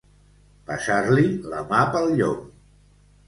Passar-li la mà pel llom.